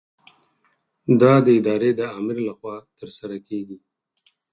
دا د ادارې د آمر له خوا ترسره کیږي.